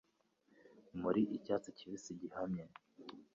Muri icyatsi kibisi gihamye